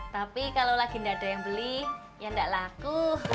tapi kalau lagi tidak ada yang beli ya nggak laku